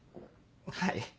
はい。